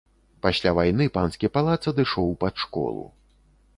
Пасля вайны панскі палац адышоў пад школу.